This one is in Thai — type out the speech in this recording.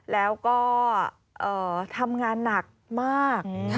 แล้วก็ทำงานหนักมาก